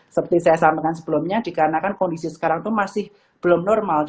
seperti saya sampaikan sebelumnya dikarenakan kondisi sekarang itu masih belum normal